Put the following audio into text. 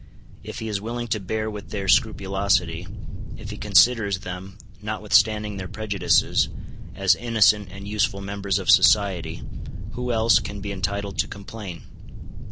If he is willing to bear with their scrupulosity, if he considers them, notwithstanding their prejudices, as innocent and useful members of society, who else can be entitled to complain?